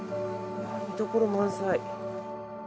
見どころ満載。